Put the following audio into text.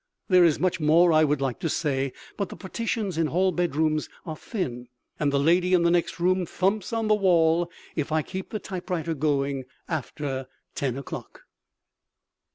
There is much more I would like to say, but the partitions in hall bedrooms are thin, and the lady in the next room thumps on the wall if I keep the typewriter going after ten o'clock.